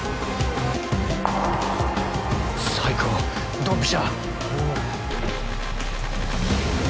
最高ドンピシャ！